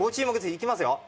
いきますよ。